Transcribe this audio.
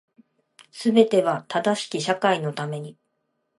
全ては正しき社会のために